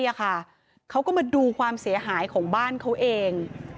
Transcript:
เขาก็มาดูความเสียหายของบ้านเขาเอง